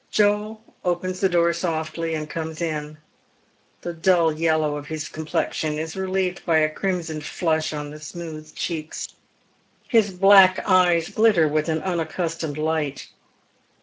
Joel opens the door softly and comes in. The dull yellow of his complexion is relieved by a crimson flush on the smooth cheeks. His black eyes glitter with an unaccustomed light.